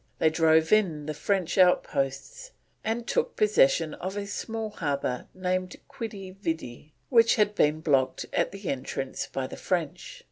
They drove in the French outposts and took possession of a small harbour named Quidi Vidi, which had been blocked at the entrance by the French.